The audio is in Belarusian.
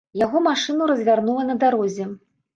Яго машыну развярнула на дарозе.